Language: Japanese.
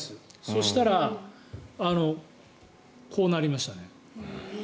そしたら、こうなりましたね。